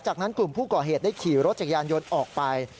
จากนั้นกลุ่มผู้ก่อเหตุได้ขี่รถจักรยานยนต์ออกไป